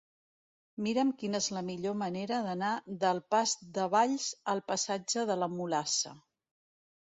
Mira'm quina és la millor manera d'anar del pas de Valls al passatge de la Mulassa.